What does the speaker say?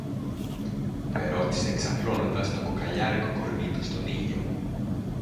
με ρώτησε ξαπλώνοντας το κοκαλιάρικο κορμί του στον ήλιο